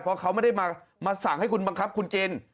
เพราะเขาไม่ได้มาสั่งให้คุณบังคับคุณกิน